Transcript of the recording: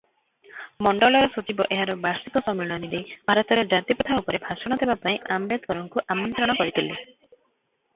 ମଣ୍ଡଳର ସଚିବ ଏହାର ବାର୍ଷିକ ସମ୍ମିଳନୀରେ ଭାରତର ଜାତିପ୍ରଥା ଉପରେ ଭାଷଣ ଦେବା ପାଇଁ ଆମ୍ବେଦକରଙ୍କୁ ଆମନ୍ତ୍ରଣ କରିଥିଲେ ।